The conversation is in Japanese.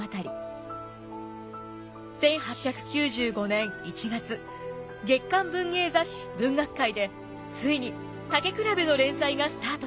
１８９５年１月月刊文芸雑誌「文学界」でついに「たけくらべ」の連載がスタートします。